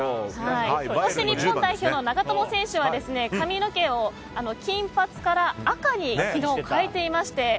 そして日本代表の長友選手は髪の毛を金髪から赤に昨日変えていまして。